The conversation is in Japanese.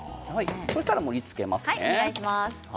そうしたら盛りつけます。